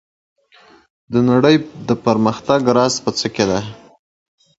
It's an outfit chosen out of necessity.